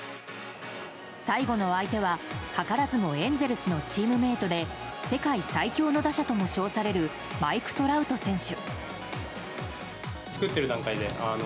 最後の相手は図らずもエンゼルスのチームメートで世界最強の打者とも称されるマイク・トラウト選手。